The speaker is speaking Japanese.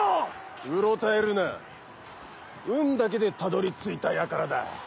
うろたえるな運だけでたどり着いた輩だ。